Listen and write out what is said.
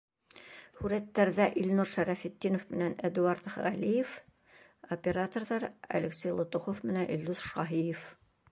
ҺҮРӘТТӘРҘӘ: Илнур Шәрәфетдинов менән Эдуард Ғәлиев; операторҙар Алексей Лотухов менән Илдус Шаһиев.